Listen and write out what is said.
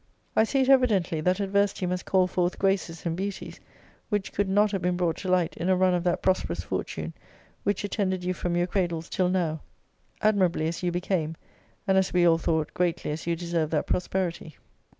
I see it evidently, that adversity must call forth graces and beauties which could not have been brought to light in a run of that prosperous fortune which attended you from your cradle till now; admirably as you became, and, as we all thought, greatly as you deserved that prosperity.